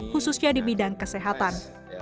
khususnya di bidang kesehatan